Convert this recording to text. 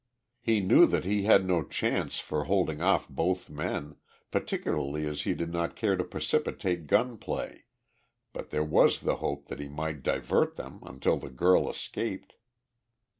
He knew that he had no chance for holding off both men, particularly as he did not care to precipitate gun play, but there was the hope that he might divert them until the girl escaped.